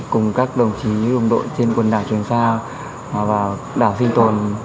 cùng các đồng chí như đồng đội trên quần đảo trường sa và đảo sinh tồn